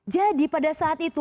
jadi pada saat itu